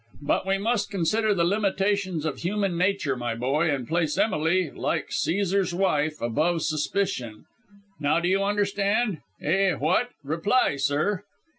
But we must consider the limitations of human nature, my boy, and place Emily, like Cæsar's wife, above suspicion. Now do you understand? Eh, what? Reply, sir."